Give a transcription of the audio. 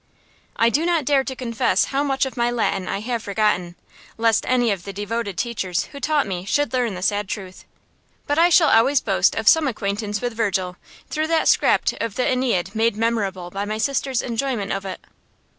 I do not dare to confess how much of my Latin I have forgotten, lest any of the devoted teachers who taught me should learn the sad truth; but I shall always boast of some acquaintance with Virgil, through that scrap of the "Æneid" made memorable by my sister's enjoyment of it.